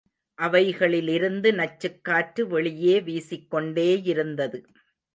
அவைகளிலிருந்து நச்சுக் காற்று வெளியே வீசிக் கொண்டேயிருந்தது.